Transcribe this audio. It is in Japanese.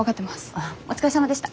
ああお疲れさまでした。